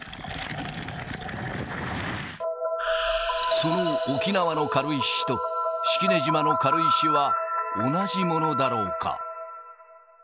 その沖縄の軽石と式根島の軽石は同じものだろうか。